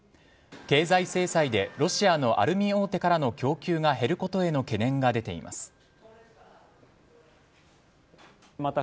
経済制裁でロシアのアルミ大手からの供給が減ることへの懸念が出ています。